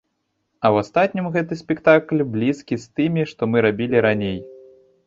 А ў астатнім гэты спектакль блізкі з тымі, што мы рабілі раней.